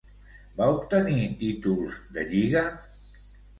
Va obtenir títols de lliga?